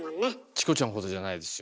チコちゃんほどじゃないですよ。